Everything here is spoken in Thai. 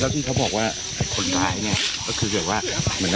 แล้วที่เขาบอกว่าคนร้ายเนี่ยก็คือว่า